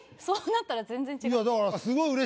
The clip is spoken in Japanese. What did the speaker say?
そうなったら全然違う。